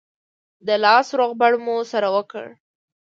د لاس روغبړ مو سره وکړ.